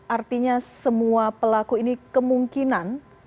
artinya semua pelaku ini kemungkinan